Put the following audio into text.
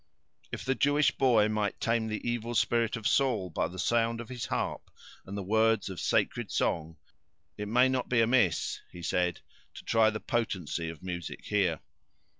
"If the Jewish boy might tame the great spirit of Saul by the sound of his harp, and the words of sacred song, it may not be amiss," he said, "to try the potency of music here."